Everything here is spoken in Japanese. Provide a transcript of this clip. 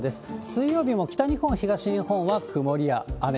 水曜日も北日本、東日本は曇りや雨。